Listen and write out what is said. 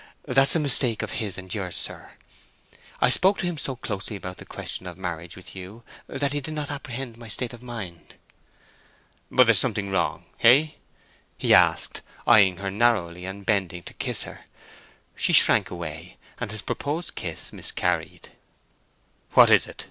"That's a mistake of his and yours, sir. I spoke to him so closely about the question of marriage with you that he did not apprehend my state of mind." "But there's something wrong—eh?" he asked, eying her narrowly, and bending to kiss her. She shrank away, and his purposed kiss miscarried. "What is it?"